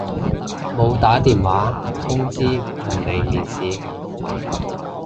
冇打電話通知唔嚟面試？